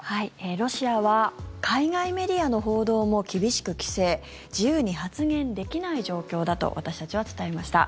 ロシアは海外メディアの報道も厳しく規制自由に発言できない状況だと私たちは伝えました。